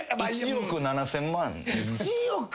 １億７，０００万！